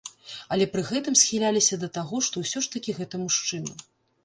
Але пры гэтым схіляліся да таго, што ўсё ж такі гэта мужчына.